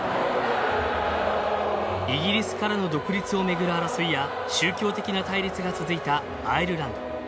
イギリスからの独立を巡る争いや宗教的な対立が続いたアイルランド。